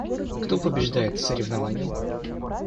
Кто побеждает в соревновании?